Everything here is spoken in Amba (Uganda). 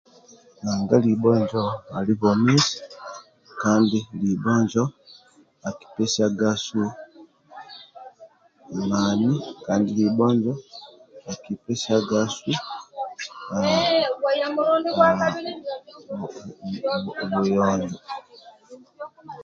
Nanga libhojo ali bwomizi kandi libhojo akipesianga asu mani kandi libhojo akipesianga asu aha aha bu buyojo